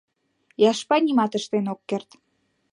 Яшпай нимат ыштен ок керт.